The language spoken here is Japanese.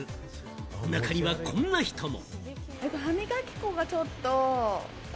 中にはこんな人も。